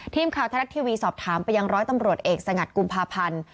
ทีมข่าวไทยรัฐทีวีสอบถามไปยังร้อยตำรวจเอกสงัดกุมภาพันธ์